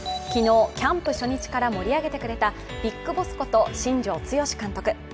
昨日、キャンプ初日から盛り上げてくれたビッグボスこと、新庄剛志監督。